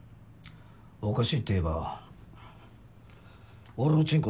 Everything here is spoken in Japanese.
おかしいっていえば俺のチンコ